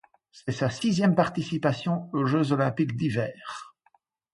C'est sa sixième participation aux Jeux olympiques d'hiver.